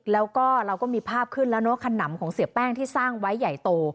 แล้วก็เราก็มีภาพขึ้นแล้วเนอะขนำของเสียแป้งที่สร้างไว้ใหญ่โต